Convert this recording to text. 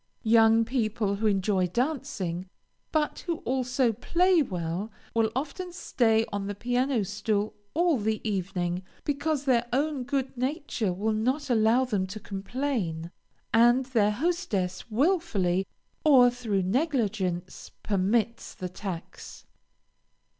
Young people, who enjoy dancing, but who also play well, will often stay on the piano stool all the evening, because their own good nature will not allow them to complain, and their hostess wilfully, or through negligence, permits the tax.